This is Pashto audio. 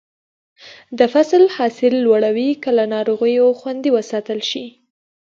د فصل حاصل لوړوي که له ناروغیو خوندي وساتل شي.